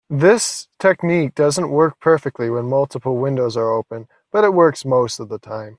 This technique doesn't work perfectly when multiple windows are open, but it works most of the time.